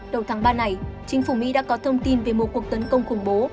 đầu tháng ba này chính phủ mỹ đã có thông tin về một cuộc tấn công khủng bố